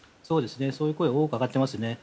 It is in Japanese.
そういう声が多く上がっていますね。